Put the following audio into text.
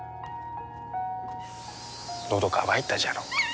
のど渇いたじゃろ。